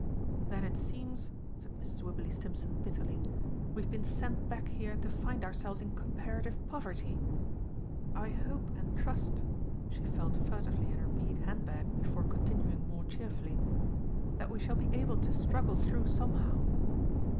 "Then it seems," said Mrs. Wibberley Stimpson bitterly, "we have been sent back here to find ourselves in comparative poverty! I hope and trust" she felt furtively in her bead handbag before continuing more cheerfully "that we shall be able to struggle through somehow."